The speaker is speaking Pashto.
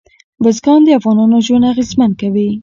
بزګان د افغانانو ژوند اغېزمن کوي.